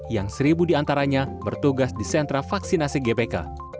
yang seribu di antaranya bertugas di sentra vaksinasi gpk